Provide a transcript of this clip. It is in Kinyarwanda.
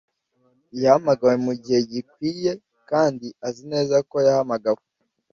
Yahamagawe mu gihe gikwiye kandi azi neza ko yahamagawe